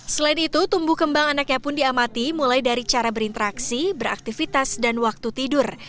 selain itu tumbuh kembang anaknya pun diamati mulai dari cara berinteraksi beraktivitas dan waktu tidur